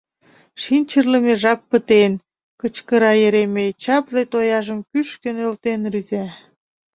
— Шинчырлыме жап пытен! — кычкыра Еремей, чапле тояжым кӱшкӧ нӧлтен рӱза.